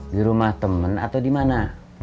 di rumah teman atau di mana